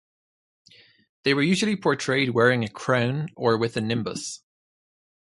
They were usually portrayed wearing a crown or with a nimbus.